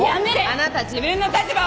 あなた自分の立場を！